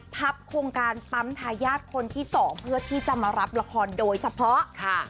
พับโครงการปั๊มทายาทคนที่สองเพื่อที่จะมารับละครโดยเฉพาะค่ะ